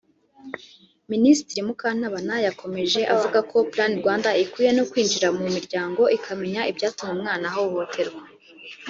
Minisitiri Mukantabana yakomeje avuga ko Plan Rwanda ikwiye no kwinjira mu miryango ikamenya ibyatuma umwana ahohoterwa